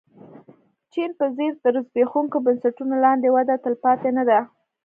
چین په څېر تر زبېښونکو بنسټونو لاندې وده تلپاتې نه ده.